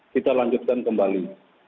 kita lanjutkan kembali